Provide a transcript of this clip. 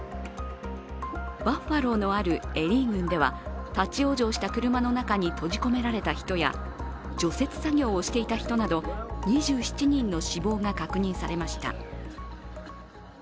バッファローのあるエリー郡では立往生した車の中に閉じ込められた人や除雪作業をしていた人など２７人の死亡が確認されました。